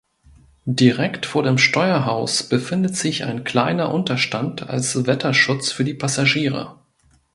Direkt vor dem Steuerhaus befindet sich ein kleiner Unterstand als Wetterschutz für die Passagiere.